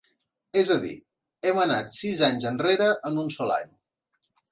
És a dir, hem anat sis anys enrere en un sol any.